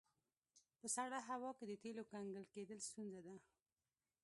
په سړه هوا کې د تیلو کنګل کیدل ستونزه ده